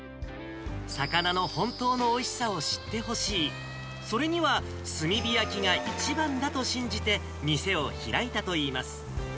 魚の本当のおいしさを知ってほしい、それには炭火焼きが一番だと信じて、店を開いたといいます。